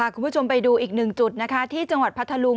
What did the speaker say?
คุณผู้ชมไปดูอีกหนึ่งจุดนะคะที่จังหวัดพัทธลุง